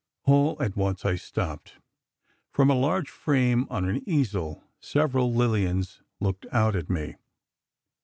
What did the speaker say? All at once I stopped: From a large frame on an easel, several Lillians looked out at me.